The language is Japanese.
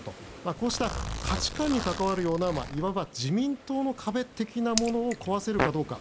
こうした価値観に関わるようないわば自民党の壁的なものを壊せるかどうか。